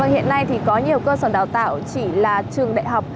hiện nay thì có nhiều cơ sở đào tạo chỉ là trường đại học